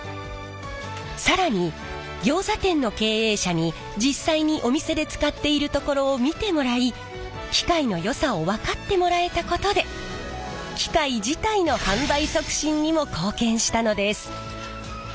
更にギョーザ店の経営者に実際にお店で使っているところを見てもらい機械のよさを分かってもらえたことで機械自体の販売促進にも貢献したのです。